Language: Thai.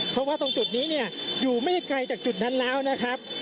เพราะว่าตรงจุดนี้เนี่ยอยู่ไม่ไกลจากจุดนั้นแล้วนะครับ